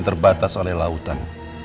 terbatas oleh lautan